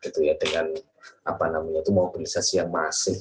dengan mobilisasi yang masing